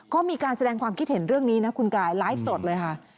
ก็มีการแสดงความคิดเห็นเรื่องนี้นะคุณกายไลฟ์สดเลยค่ะ